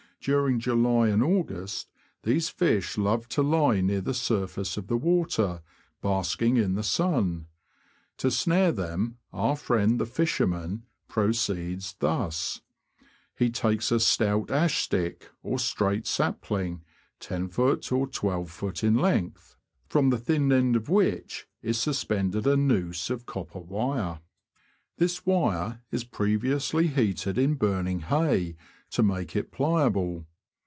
During July and August these fish love to lie near the surface of the water, basking in the sun. To snare them, our friend the fisherman proceeds thus : He takes a stout ash stick, or straight sapling, loft. or 12ft. in length, from the thin end of w^hich is suspended a noose of copper wire ; this wire is previously heated in burning hay, to make it pliable.